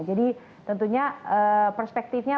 jadi tentunya perspektifnya